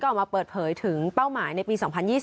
ออกมาเปิดเผยถึงเป้าหมายในปี๒๐๒๐